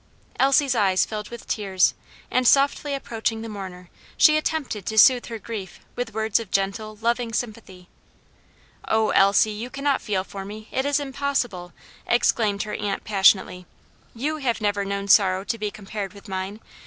Elsie's eyes filled with tears, and softly approaching the mourner, she attempted to soothe her grief with words of gentle, loving sympathy. "Oh! Elsie, you cannot feel for me; it is impossible!" exclaimed her aunt passionately. "You have never known sorrow to be compared to mine!